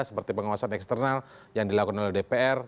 seperti pengawasan eksternal yang dilakukan oleh dpr